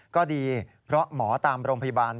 ก็ดีเพราะหมอตามโรงพยาบาล